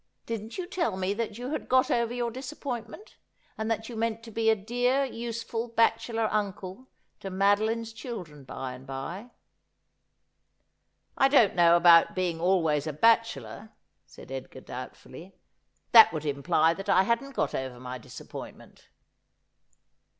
Didn't you tell me you iiad got over your disappointment, and that you meant to be a dear useful bachelor uncle to Madeline's children by and by ?'' I don't know about being always a bachelor,' said Edgar doubtfully. ' That would imply that I hadn't got over my disap pointment.'